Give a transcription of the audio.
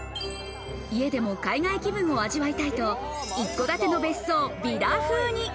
家でも海外気分を味わいたいと、一戸建ての別荘をヴィラ風に。